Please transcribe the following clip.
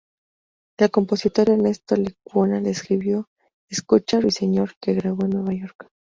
El compositor Ernesto Lecuona le escribió "Escucha al Ruiseñor" que grabó en Nueva York.